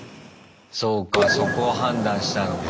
そうかそこを判断したのか。